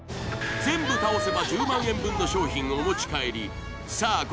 全部倒せば１０万円分の商品をお持ち帰りさあ